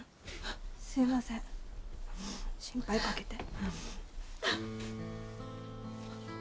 すみません心配かけて。